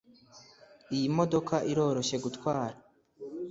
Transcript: Iyi modoka iroroshye gutwara